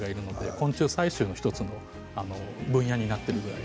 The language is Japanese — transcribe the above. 昆虫採集の１つの分野になっているぐらい。